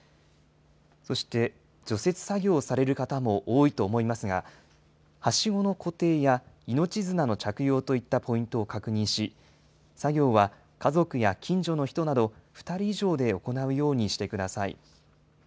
そして、除雪作業をされる方も多いと思いますが、はしごの固定や命綱の着用といったポイントを確認し、作業は家族や近所の人など２人以上で行うようにしてください。